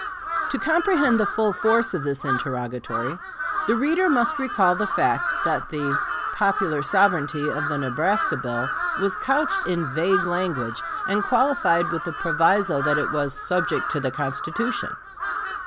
" To comprehend the full force of this interrogatory, the reader must recall the fact that the "popular sovereignty" of the Nebraska bill was couched in vague language, and qualified with the proviso that it was "subject to the Constitution."